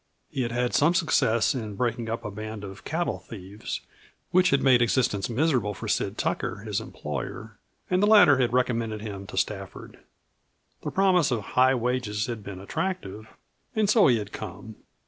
He had had some success in breaking up a band of cattle thieves which had made existence miserable for Sid Tucker, his employer, and the latter had recommended him to Stafford. The promise of high wages had been attractive, and so he had come.